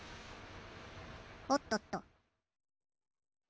おっとっと。